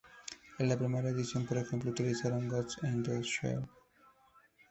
En la primera edición, por ejemplo, utilizaron Ghost in the Shell.